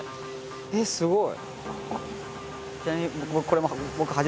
えっすごい！